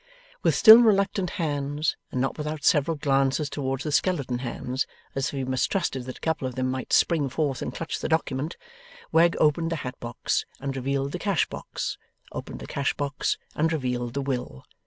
With still reluctant hands, and not without several glances towards the skeleton hands, as if he mistrusted that a couple of them might spring forth and clutch the document, Wegg opened the hat box and revealed the cash box, opened the cash box and revealed the will.